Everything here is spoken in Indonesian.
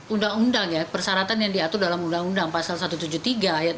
undang undang ya persyaratan yang diatur dalam undang undang pasal satu ratus tujuh puluh tiga ayat dua